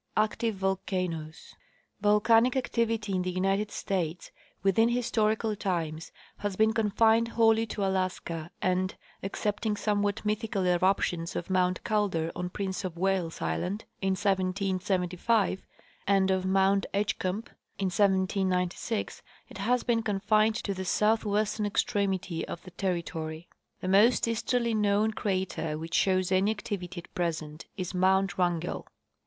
Active Volcanoes. Volcanic activity in the United States within historical times has been confined wholly to Alaska, and, excepting somewhat mythical eruptions of mount Calder on Prince of Wales island in 171(5, and of mount Edgecumbe in 1796 it has been confined to the southwestern extremity of the territory. The most easterly known crater which shows any activity at present is mount Wrangell.